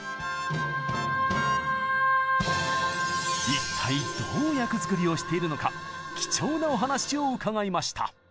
一体どう役作りをしているのか貴重なお話を伺いました！